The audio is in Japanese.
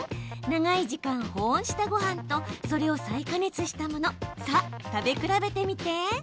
長い時間保温したごはんとそれを再加熱したものさあ食べ比べてみて！